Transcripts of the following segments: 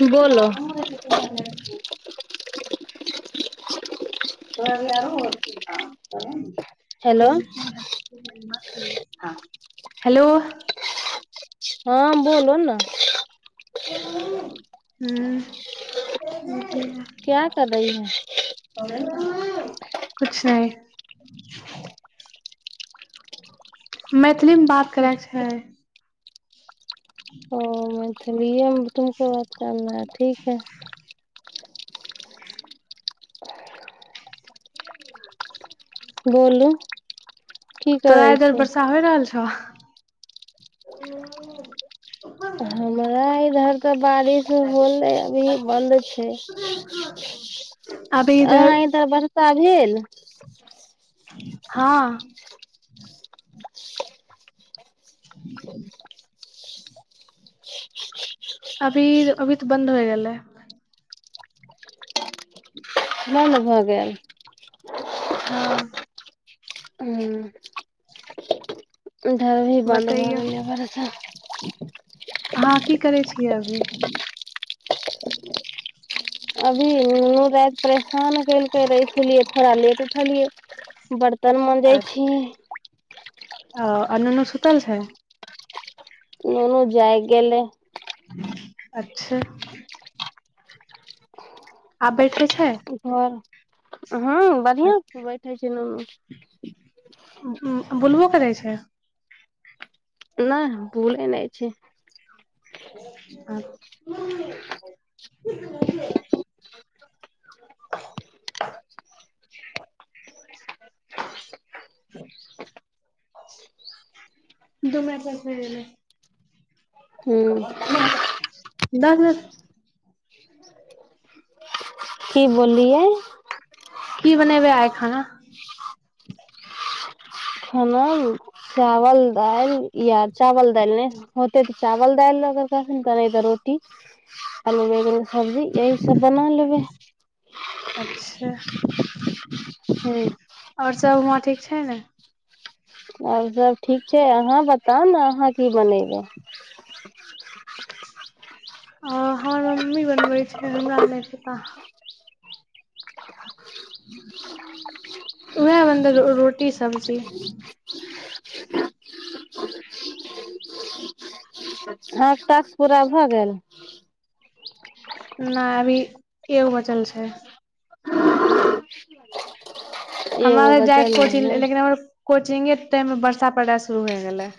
बोलो [unintelligible] र लाय रु हेलो [unintelligible] ह हेलो हँ बोल ने हू हँ क्या कर रही हो कछ नहि मे फलीम मे बात करैके छै ओ त भिय न तुमको बात करना है ठीक है बोलो तोरा इधर बर्सा होइ रहल छौ ह हमरा इधर तऽ बारिश होललै अभी बन्द छै आहाँ इधर बर वर्षा भेल हँ ह अभी अभी तऽ बन्द हो गेलै मन भऽ गेल हँ हँ इधर भी बन्द भऽ गेलै बरसा हह की करै छियै अभी अभीन राति परेशान केलकै र इसलिए थोड़ा लेट उठलियै वर्ततन मजै छी अ नुनु सुूतल छै ननू जाइग गेले अच्छा आबैठे छै घर हँ बढ़िआं से बैठे छै नन ै छै नहि भूले नहि छै आ ह दम प भ गेलने कर हूँ त ने होत दस दस की बोललियै की बनेबे आए खाना खाना चाउर-दालि। जँ चाउर-दालि नहि होइत तऽ रोटी-आलू आदि। अच्छा, हूँ आओर सभ ओतऽ ठीक छै ने? आर सभ ठीक छै। अहाँ बताउ ने, अहाँ की बनयबै? अरे, हमर मम्मी बनबै छथि। हमरा नहि छैता। उएह बनत रोटी आ सब्जी। आठ तख पूरा भऽ गेल नहि अभी ए बचल छै [unintelligible] एगो हमरा जाए बचल के अइ छैक, ने लेकिन हमर कोचिंगक टाइममे बरसा पड़ऽ शुरू भऽ गेलै।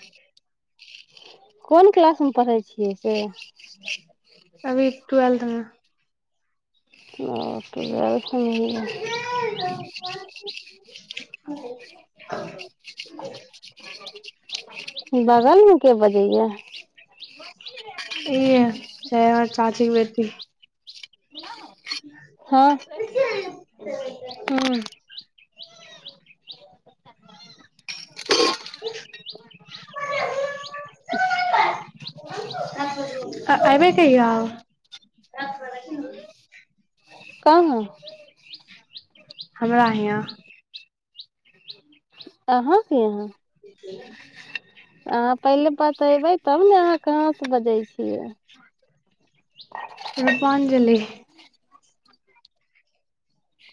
कोन क्लासमे पढ़ै छियै से? अभी ट्वेलथमे हँ तऽएह [unintelligible] [unintelligible] बगलमे के बजेया इह छै चाचीे बेटी हँ हँ आ अऐबे कहिय आउ कह ह हमरा एतऽ। अहाँक एतऽ? [unintelligible] अ पहिले बात अयबै तब ने अहाँ कहाँ से बजे छी छै रूपाञ्जलि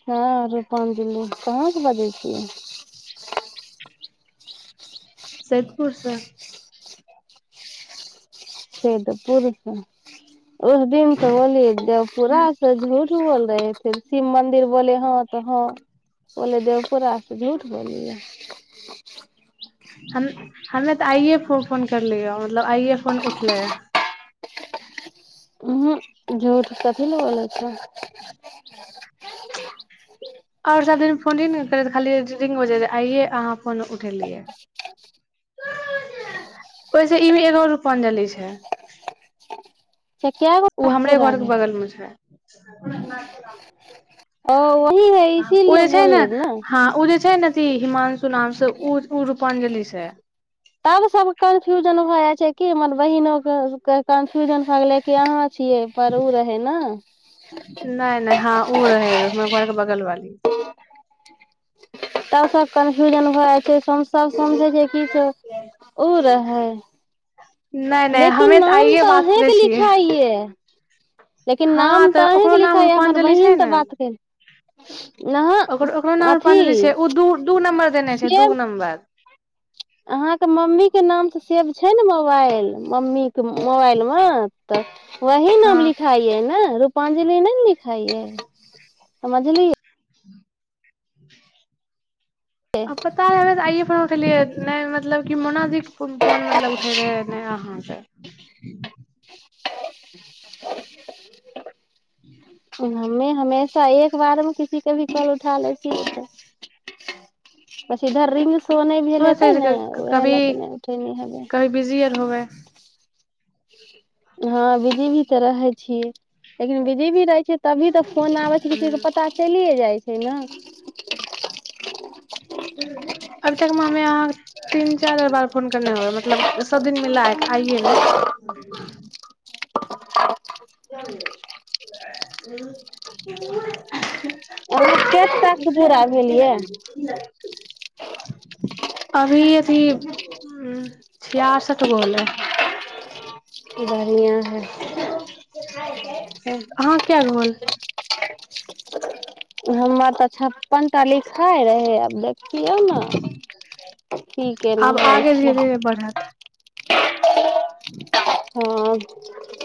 हँरु हाँ ज कहाँके बाजै त सदपुर सर से त पूुरष ओहि दिन तऽ पूरा झूठ बोलि देलियै। बोलै रहै शिव मन्दिर। हमहूँ हँ कहि देलियै। देवपुराक नाम लऽ कऽ पूरा झूठ बोलि देलियै। हम तऽ आइए फोन केलियै। मतलब आइए फोन उठलै। ह झूठ कथ ल बोल छै। हँ, फोन उठेलक ओ रूपाञ्जलि। से कए ओ गो हमरे पूरा घरक भेल बगलमे छै। वही है ओ इसीलिए जे छथि ने, बोलले हँ, उहे छथि ने। हिमांशु नामसँ रूपाञ्जलिसँ। तब सभ कन्फ्यूजन भऽ जाइ छै। हमर बहिनोकेँ कन्फ्यूजन भऽ गेलै जे अहाँ छियै पर उ रहै ने नहि, नहि। हँ, ओ तऽ हमर घरक बगलवाली छथि। सभसँ कन्फ्यूजन भऽ जाइ छै। समझै छै की से ओ रहै नहि नहि लेकिन हमे नाम आइये तऽ बात करै अहाँकेँ छियै लिखाइ छै। हँ, तऽ ओकरो नाम लिखाइ ये हमर रूपाञ्जलि छै बहिन ने। तऽ बात केल अहाँ ओकरो नाम अथी रूपाञ्जलि छै। ओ दूटा नम्बर देने छै। सेब अहाँके मम्मीके नाम तऽ सेब छै ने मोबाइल मम्मीके मोबाइलमे तऽ हँ, उहे हँ नाम लिखाइ छै ने। रूपाञ्जलि नहि ने लिखाइ छै, बुझलियै? आ पता रहै हँ। आइए फोन उठेलियै नहि। मतलब मोना जी फोन उठबैत रहथि, अहाँ नहि। ह ह हमेँ हमेशा एके बेरमे ककरो फोन उठा लै छियै। पी धर्रमे से नहि भेल हो हेतै सकै ने। छै उहे लेल कभी नहि उठा सकलियै कभी बिजी आर हएत। होबै हँ, बिजीओ तऽ रहै छीयै। लेकिन बिजीओ रहै छी। तखने तऽ फोन आबै छै। ककरो की पता चलि जाए। छै ने अभी तऽ अहाँ तीन-चारि बेर फोन कयने छी। होइ। मतलब सभ दिन मिलै छै। आइए ने ज ह आ कटाके पूरा भेल यै अभी अथी छियासठ गो होलै [unintelligible] है अहाँक कै गो होलै हमर तऽ छप्पन टा लिखाय रहे आब देख यौ न की केना आब होइ आगे धीरे छै धीरे बढ़त [inaudible] हँ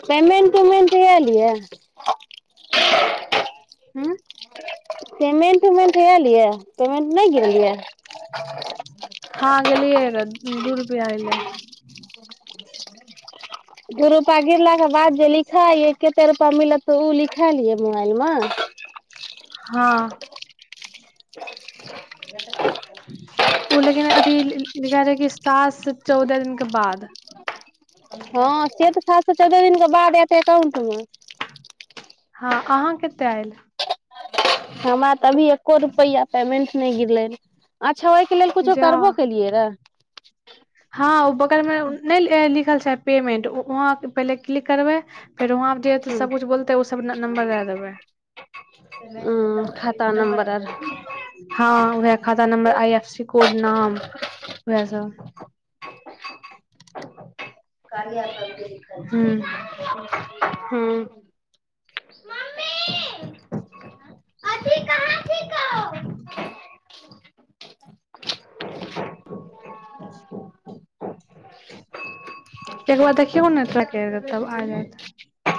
पेमेन्ट उमेन्ट आएल यै [unintelligible] हूँ पेमेन्ट उमेन्ट एल य पेमेन्ट नहि गेलियै वहाँ गेलियै रऽ दू रुपैया ऐले दू रूपा गिरलाके बाद जे लिखा कते रुपा मिलत त उ लिखाइल यै मोबाइल मे हँ ओ लेकिन अथी लिखा रहै कि सात से चौदह दिन क बाद हँ से तऽ सात सँ चौदह दिन क बाद एतै एकाउण्ट म हँ अहाँ कतेक आयल हमरा तऽभी एको रुपैया पेमेंट नइ गिरलै रहे अ छै ओहिके लेल कुछो करबो जा केलियै रे ह उ बगल मे नहि लिखल छै पेमेंट वहाँं पहिले क्लिक करबै फेर वहांप जे सबकछ बोलतै उ सब नम्बर दए देबै ह खाता नम्बर आर [unintelligible] खाता number I F C code नाम वैह सब [unintelligible] हँ [inaudible] एक बार देखियौ ने तब आ जातै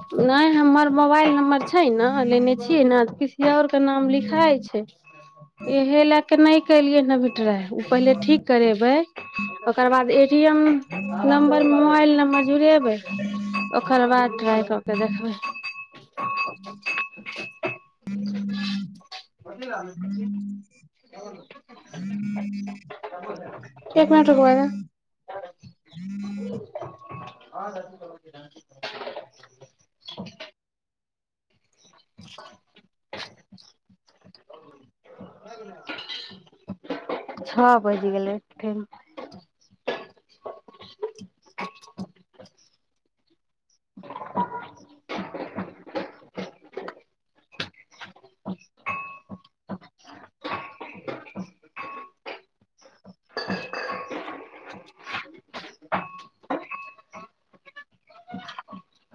नहि हमर मोबाइल नम्बर छै ने लेने छियै न किसी और के नाम लिखाइ छै इहे ल के नहि केलियै ट्राइ उ पहिले ठीक करेबै ओकरबाद A T M number mobile number जुड़ेबै ओकर बाद ट्राइ कऽ तऽ देखबै एक मिनट रुकबै ने। [unintelligible] [unintelligible] ह भ गेल छओ बाजि गेलै, फेर [inaudible]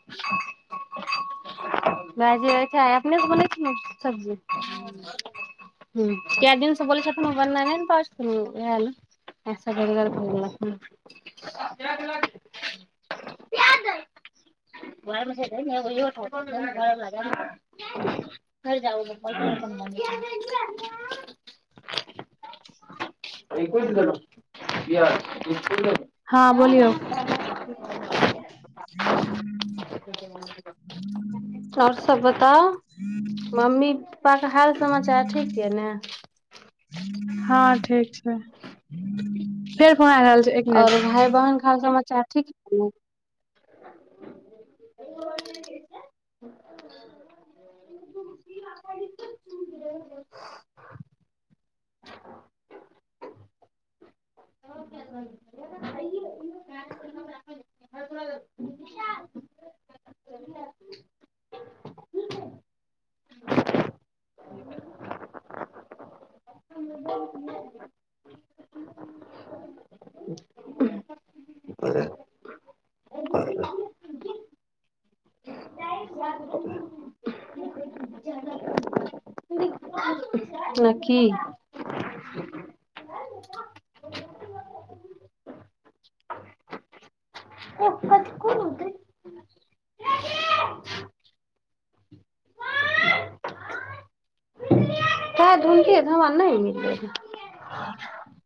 [unintelligible] ी अपने बन दिन बल घर जा हँ बोलियौ पहुँचल। [unintelligible] आओर सब बताउ, मम्मी-पापा के हाल समाचार ठीक छै ने? हँ ठीक छै फेर फोन आबि रहल छै, एक मिनट। च अ [inaudible] [inaudible] [unintelligible] न की धमकी-धमाना नहि। ह